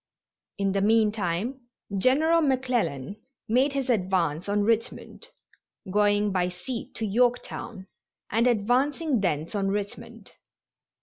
In the meantime General McClellan made his advance on Richmond, going by sea to Yorktown and advancing thence on Richmond.